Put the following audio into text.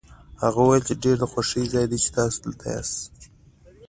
هغه وویل ډېر د خوښۍ ځای دی چې تاسي دلته یاست.